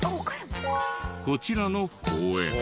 こちらの公園。